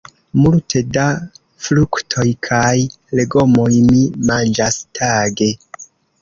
Multe da fruktoj kaj legomoj mi manĝas tage.